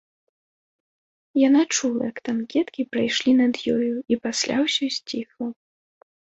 Яна чула, як танкеткі прайшлі над ёю і пасля ўсё сціхла.